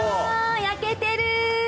焼けてる！